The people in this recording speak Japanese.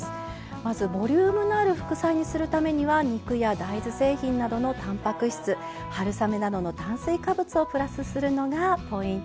まずボリュームのある副菜にするためには肉や大豆製品などのたんぱく質春雨などの炭水化物をプラスするのがポイントでした。